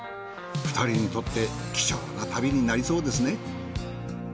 ２人にとって貴重な旅になりそうですね。